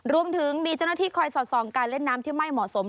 รวมถึงมีเจ้าหน้าที่คอยสอดส่องการเล่นน้ำที่ไม่เหมาะสม